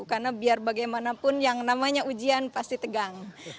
karena biar bagaimanapun yang namanya ujian pasti tegang